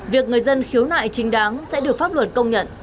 việc người dân khiếu nại chính đáng sẽ được pháp luật công nhận